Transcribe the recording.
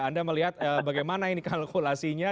anda melihat bagaimana ini kalkulasinya